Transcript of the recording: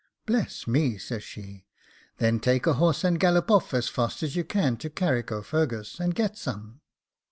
'Bless me,' says she; 'then take a horse and gallop off as fast as you can to Carrick O'Fungus, and get some.